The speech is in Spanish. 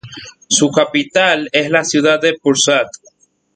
Su capital es la Ciudad de Pursat.